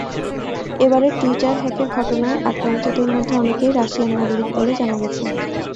এবারের টুইটার হ্যাকের ঘটনায় আক্রান্তদের মধ্যে অনেকেই রাশিয়ান নাগরিক বলে জানা গেছে।